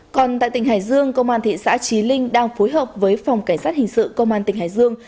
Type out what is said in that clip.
còn tại tỉnh hải dương công an thị xã trí linh đang phối hợp với phòng cảnh sát hình sự công an tỉnh hải dương